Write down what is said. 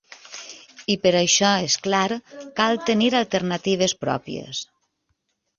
I per això, és clar, cal tenir alternatives pròpies.